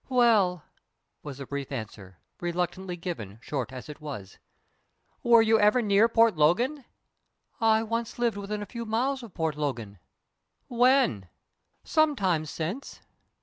"Well," was the brief answer reluctantly given, short as it was. "Were you ever near Port Logan?" "I once lived within a few miles of Port Logan." "When?" "Some time since."